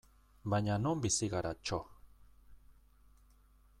Baina non bizi gara, txo!